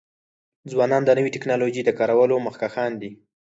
ځوانان د نوی ټکنالوژی د کارولو مخکښان دي.